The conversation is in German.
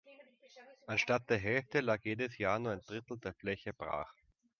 Anstatt der Hälfte lag jedes Jahr nur ein Drittel der Fläche brach.